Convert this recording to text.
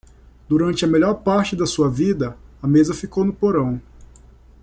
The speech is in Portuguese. Durante a melhor parte de sua vida, a mesa ficou no porão.